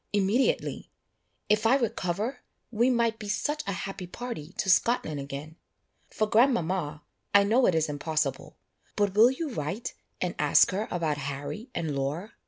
immediately! If I recover, we might be such a happy party to Scotland again. For grandmama, I know it is impossible; but will you write and ask her about Harry and Laura?